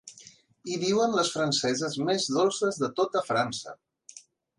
Hi viuen les franceses més dolces de tota França.